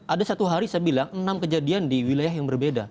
ada satu hari saya bilang enam kejadian di wilayah yang berbeda